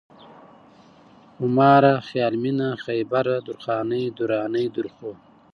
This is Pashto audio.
خوماره ، خيال مينه ، خيبره ، درخانۍ ، درانۍ ، درخو